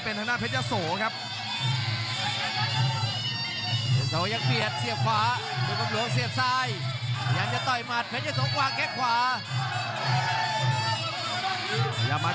พยาบาลเสียบด้วยขวา